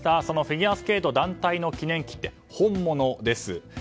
そのフィギュアスケート団体の記念切手、本物です。